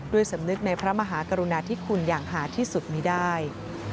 สำนึกในพระมหากรุณาธิคุณอย่างหาที่สุดมีได้